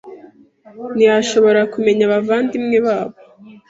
ntiyashobora kumenya Bavandimwebabo